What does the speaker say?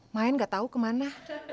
main gak tau kemana